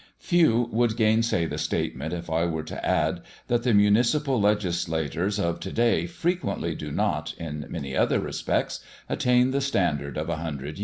Few would gainsay the statement, if I were to add that the municipal legislators of to day frequently do not, in many other respects, attain the standard of a hundred years ago.